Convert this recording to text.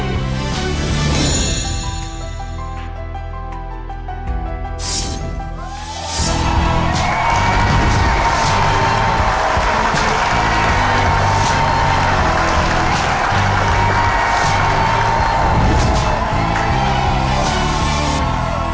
สวัสดีครับนะแคนเรา